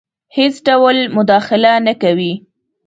هیڅ ډول مداخله نه کوي.